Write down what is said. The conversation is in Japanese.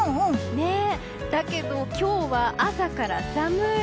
だけど、今日は朝から寒い。